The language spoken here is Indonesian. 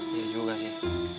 iya juga sih